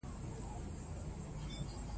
زه هره اونۍ د خوند اخیستلو فعالیت ترسره کوم.